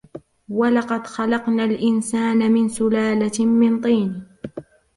وَلَقَدْ خَلَقْنَا الْإِنْسَانَ مِنْ سُلَالَةٍ مِنْ طِينٍ